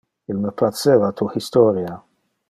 Il me placeva tu historia.